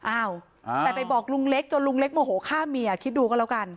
อ้าวแต่ไปบอกลุงเล็กจนลุงเล็กโมโหฆ่าเมียคิดดูก็แล้วกัน